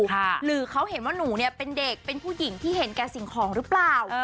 หรือเขาเห็นว่าหนูเนี่ยเป็นเด็กเป็นผู้หญิงที่เห็นแก่สิ่งของหรือเปล่า